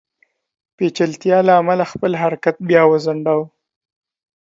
پېچلتیا له امله خپل حرکت بیا وځنډاوه.